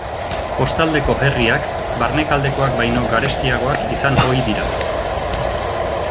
Kostaldeko herriak barnealdekoak baino garestiagoak izan ohi dira.